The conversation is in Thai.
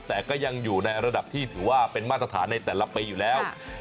แต่ก็ยังอยู่ในระดับที่ถือว่าเป็นมาตรฐานในแต่ละปีอยู่แล้ว